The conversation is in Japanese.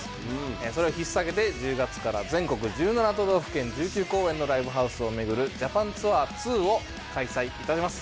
それをひっさげて１０月から全国１７都道府県１９公演のライブハウスを巡る「ＪＡＰＡＮＴＯＵＲⅡ」を開催いたします